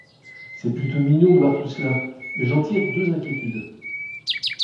C’est plutôt mignon de voir tout cela, mais j’en tire deux inquiétudes.